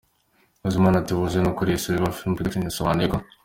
Bizimana Théogène ukuriye Silver Film Production, yasobanuye ko .